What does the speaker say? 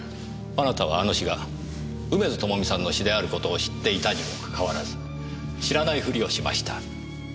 あなたはあの詩が梅津朋美さんの詩であることを知っていたにもかかわらず知らないふりをしました。